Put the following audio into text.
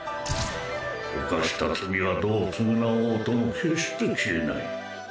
犯した罪はどう償おうとも決して消えない。